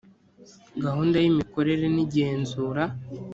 gahunda y’imikorere n’igenzura